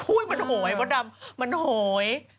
อุ้ยมันโหยเพราะดำมันโหย